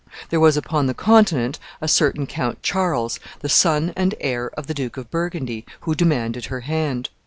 There was upon the Continent a certain Count Charles, the son and heir of the Duke of Burgundy, who demanded her hand.